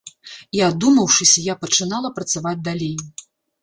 І, адумаўшыся, я пачынала працаваць далей.